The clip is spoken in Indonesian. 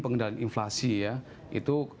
pengendalian inflasi ya itu